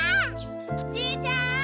じーちゃん！